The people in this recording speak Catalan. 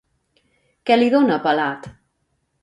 Què li dona Pelat?